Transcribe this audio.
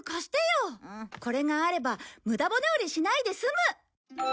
これがあれば無駄骨折りしないで済む。